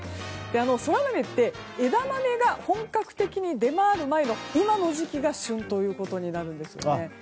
空豆って枝豆が本格的に出回る前の、今の時期が旬ということになるんですよね。